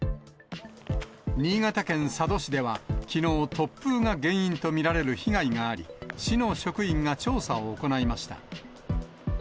新潟県佐渡市ではきのう、突風が原因と見られる被害があり、市の職員が調査を行いました。